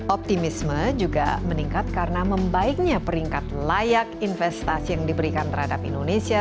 optimisme juga meningkat karena membaiknya peringkat layak investasi yang diberikan terhadap indonesia